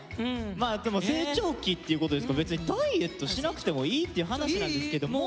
まあでも成長期っていうことですから別にダイエットしなくてもいいっていう話なんですけども。